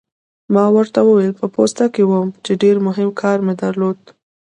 ما ورته وویل: په پوسته کې وم، چې ډېر مهم کار مې درلود.